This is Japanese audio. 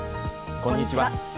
こんにちは。